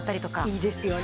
いいですよね。